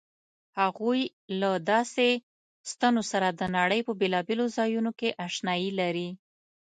هغوی له داسې ستنو سره د نړۍ په بېلابېلو ځایونو کې آشنايي لري.